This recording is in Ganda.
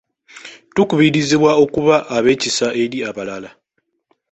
Tukubirizibwa okuba ab'ekisa eri abalala.